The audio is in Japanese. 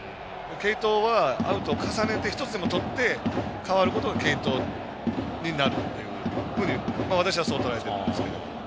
継投は、アウトを重ねて１つでもとって代わることを継投になるというふうに私は、そうとらえているんですが。